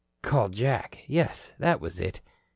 Call Jack! Yes, that was it.